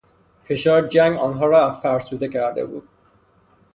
فشار جنگ آنها را فرسوده کرده بود.